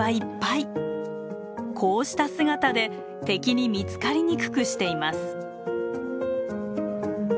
こうした姿で敵に見つかりにくくしています。